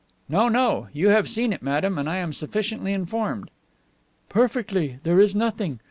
"No, no. You have seen it, madame, and I am sufficiently informed." "Perfectly. There is nothing.